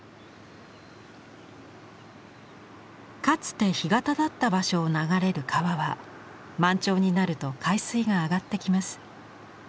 かつて干潟だった場所を流れる川は満潮になると海水が上がってきます。